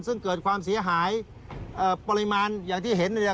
ซึ่งเกิดความเสียหายปริมาณอย่างที่เห็น